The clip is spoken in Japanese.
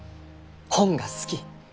本が好き。